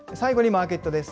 最後にマーケットです。